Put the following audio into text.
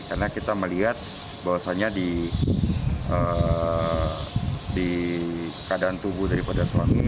karena kita melihat bahwasannya di keadaan tubuh daripada suami